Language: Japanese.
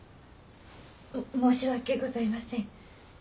申し訳ございません。